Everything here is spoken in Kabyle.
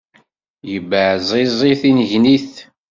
Yebeɛẓeẓẓi tinnegnit.